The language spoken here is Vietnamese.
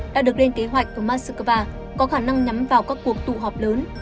đã được lên kế hoạch của moscow có khả năng nhắm vào các cuộc tụ họp lớn